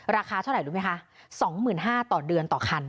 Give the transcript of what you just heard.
ราคาเท่าไหร่รู้ไหมคะ๒๕๐๐บาทต่อเดือนต่อคัน